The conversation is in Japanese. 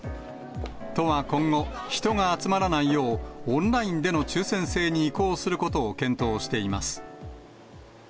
都は今後、人が集まらないよう、オンラインでの抽せん制に移行することを検討しています。